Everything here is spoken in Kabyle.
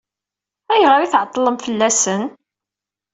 Ayɣer i tɛeṭṭlem fell-asen?